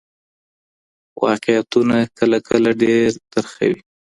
واقعیتونه کله کله ډېر ترخه وي.